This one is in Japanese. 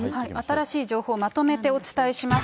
新しい情報、まとめてお伝えします。